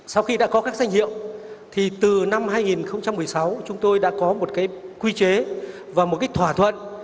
sau khi đã có các danh hiệu thì từ năm hai nghìn một mươi sáu chúng tôi đã có một cái quy chế và một thỏa thuận